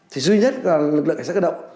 thì duy nhất lực lượng cảnh sát cơ động